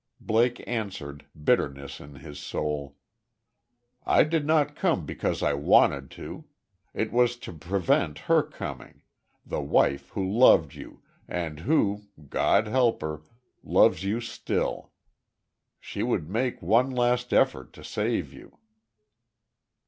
Blake answered, bitterness in his soul: "I did not come because I wanted to. It was to prevent her coming the wife who loved you, and who, God help her, loves you still. She would make one last effort to save you."